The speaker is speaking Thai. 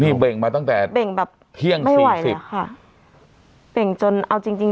ในเบลงมาตั้งแต่เบ่งแบบเกร็งไม่ไหวเหรอค่ะเด็กจนเอาจริงจริง